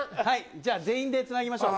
じゃあ、全員でつなぎましょう。